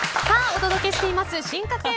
お届けしています進化系